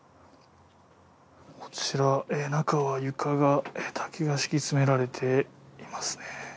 こちら中は床が竹が敷き詰められていますね